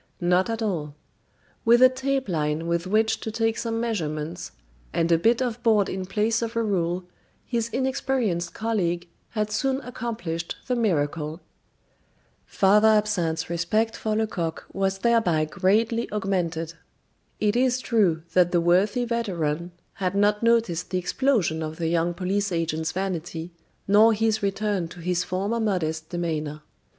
Not at all. With a tape line with which to take some measurements, and a bit of board in place of a rule, his inexperienced colleague had soon accomplished the miracle. Father Absinthe's respect for Lecoq was thereby greatly augmented. It is true that the worthy veteran had not noticed the explosion of the young police agent's vanity, nor his return to his former modest demeanor.